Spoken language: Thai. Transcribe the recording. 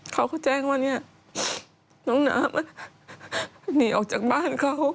เขาก็แจ้งว่า